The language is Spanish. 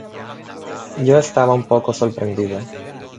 Yo estaba un poco sorprendido".